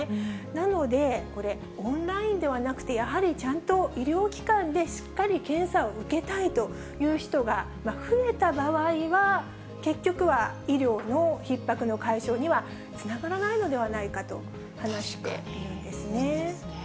なので、これオンラインではなくて、やはりちゃんと医療機関でしっかり検査を受けたいという人が増えた場合は、結局は、医療のひっ迫の解消にはつながらないのではないかと話しているんですね。